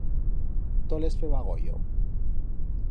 Tot les feba goyo!